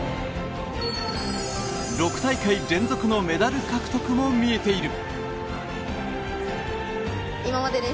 ６大会連続のメダル獲得も見えている。